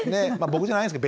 僕じゃないです